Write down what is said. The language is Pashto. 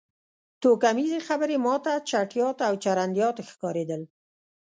توکمیزې خبرې ما ته چټیات او چرندیات ښکارېدل